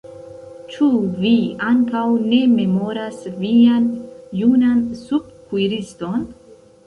Ĉu vi ankaŭ ne memoras vian junan subkuiriston?